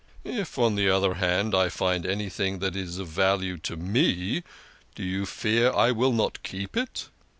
If, on the other hand, I find anything that is of value to me, do you fear I will not keep it?"